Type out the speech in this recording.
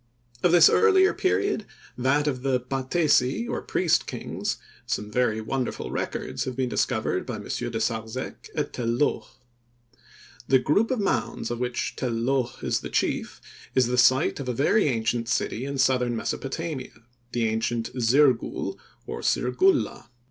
Of this earlier period, that of the "patesi," or priest kings, some very wonderful records have been discovered by M. de Sarzec at Tel Loh. The group of mounds of which Tel Loh is the chief, is the site of a very ancient city in southern Mesopotamia, the ancient Zirgul, or Sirgulla.